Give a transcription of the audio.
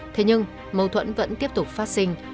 thế nhưng mâu thuẫn vẫn tiếp tục phát sinh